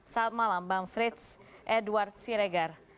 saat malam bang frits edward siregar